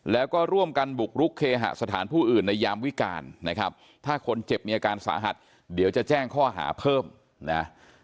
แล้วก็ร่วมกันบุกรุกเคหสถานผู้อื่นในยามวิการนะครับถ้าคนเจ็บมีอาการสาหัสเดี๋ยวจะแจ้งข้อหาเพิ่มนะ